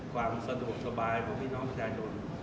ความสะดวกสบายของพี่น้องประชาชน